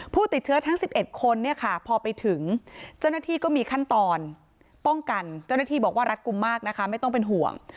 ผู้ติดเชื้อทั้ง๑๑คนเนี่ยค่ะพอไปถึงเจ้าหน้าที่ก็มีขั้นตอนป้องกันเจ้าหน้าที่บอกว่ารัดกลุ่มมากนะคะไม่ต้องเป็นห่วง